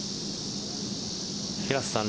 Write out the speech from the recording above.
平瀬さん。